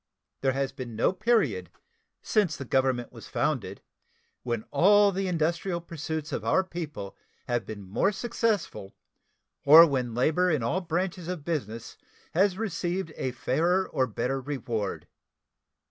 There has been no period since the Government was founded when all the industrial pursuits of our people have been more successful or when labor in all branches of business has received a fairer or better reward.